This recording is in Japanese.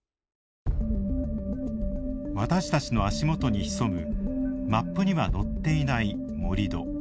私たちの足元に潜むマップには載っていない盛土。